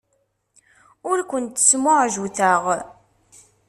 Ur kent-smuɛjuteɣ.